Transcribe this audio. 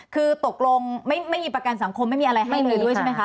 คือตกลงไม่มีประกันสังคมไม่มีอะไรให้เลยด้วยใช่ไหมคะ